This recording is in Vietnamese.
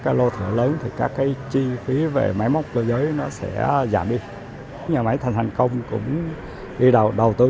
cây đường lớn thì các chi phí về máy móc cơ giới sẽ giảm đi nhà máy thanh hành công cũng đầu tư